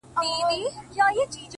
زه زما او ستا و دښمنانو ته؛